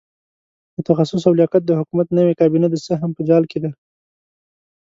د تخصص او لیاقت د حکومت نوې کابینه د سهم په جال کې ده.